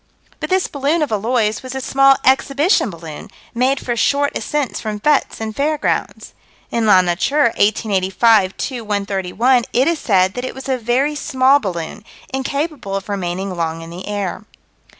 But this balloon of Eloy's was a small exhibition balloon, made for short ascents from fêtes and fair grounds. In La Nature, 1885 2 131, it is said that it was a very small balloon, incapable of remaining long in the air.